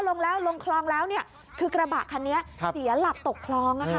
ลงแล้วลงคลองแล้วคือกระบะคันนี้หลีอาปตกคลอง